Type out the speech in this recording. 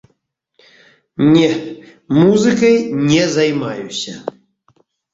Не, музыкай не займаюся.